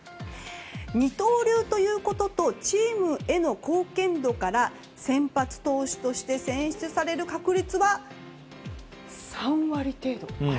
二刀流ということとチームへの貢献度から先発投手として選出される確率は３割程度。